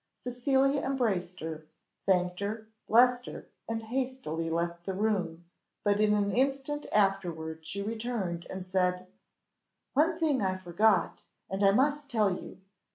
Cecilia embraced her, thanked her, blessed her, and hastily left the room, but in an instant afterward she returned, and said, "One thing I forgot, and I must tell you.